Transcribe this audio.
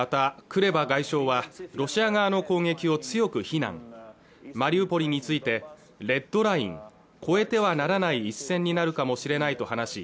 クレバ外相はロシア側の攻撃を強く非難マリウポリについてレッドライン＝越えてはならない一線になるかもしれないと話し